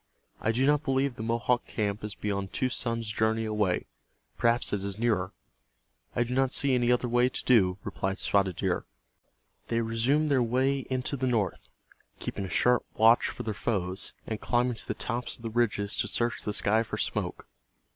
I do not believe the Mohawk camp is beyond two suns' journey away. Perhaps it is nearer." "I do not see any other way to do," replied Spotted Deer. They resumed their way into the north, keeping a sharp watch for their foes, and climbing to the tops of the ridges to search the sky for smoke.